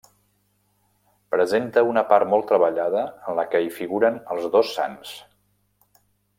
Presenta una part molt treballada en la que hi figuren els dos Sants.